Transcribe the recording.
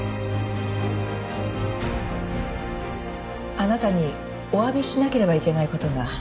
あなたにおわびしなければいけない事が。